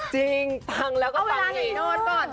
จริงตั้งแล้วก็ตั้งให้เอาเวลาให้โน้นก่อน